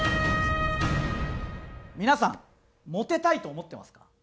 皆さんモテたいと思ってますか？